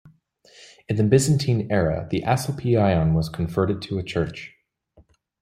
In the Byzantine era, the asclepieion was converted to a church.